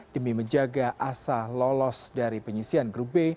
demi menjaga asa lolos dari penyisian grup b